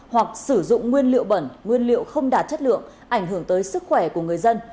hoặc sử dụng nguyên liệu bẩn nguyên liệu không đạt chất lượng ảnh hưởng tới sức khỏe của người dân